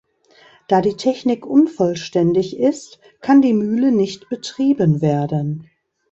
Da die Technik unvollständig ist, kann die Mühle nicht betrieben werden.